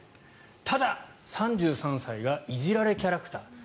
ただ、３３歳がいじられキャラクター。